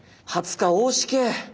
「２０日大しけ」。